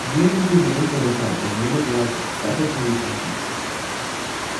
Immediately to the north of the town is Rena Bianca, Santa Teresa's beach.